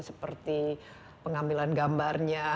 seperti pengambilan gambarnya